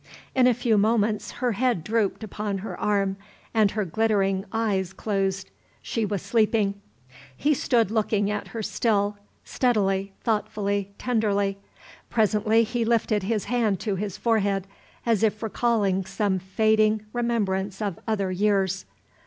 In a few moments her head drooped upon her arm, and her glittering eyes closed, she was sleeping. He stood looking at her still, steadily, thoughtfully, tenderly. Presently he lifted his hand to his forehead, as if recalling some fading remembrance of other years.